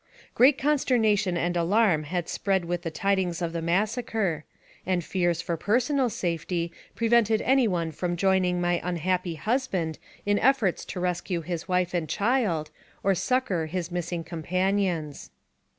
Great consternation and alarm had spread with the tidings of the massacre, and fears for personal safety prevented any one from joining my unhappy husband in efforts to rescue his wife and child, or succor his missing companions.